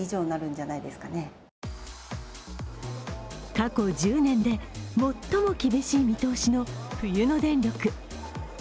過去１０年で最も厳しい見通しの冬の電力。